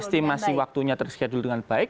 estimasi waktunya terschedule dengan baik